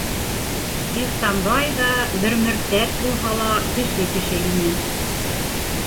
Ихсанбай ҙа, бер мөртәт булһа ла, көслө кеше ине.